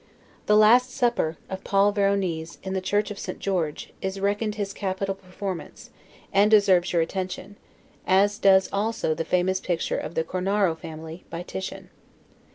The Last Supper, of Paul Veronese, in the church of St. George, is reckoned his capital performance, and deserves your attention; as does also the famous picture of the Cornaro Family, by Titian.